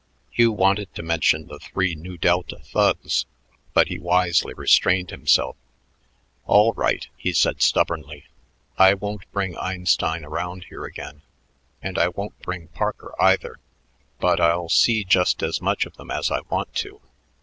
Hugh wanted to mention the three Nu Delta thugs, but he wisely restrained himself. "All right," he said stubbornly, "I won't bring Einstein around here again, and I won't bring Parker either. But I'll see just as much of them as I want to.